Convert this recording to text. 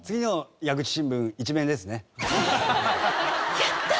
やったー！